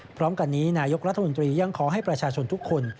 พร้อมกันนี้นายกรัฐมนตรียังขอให้ประชาชนทุกคน